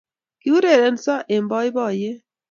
Kiurerenso eng boiboiyet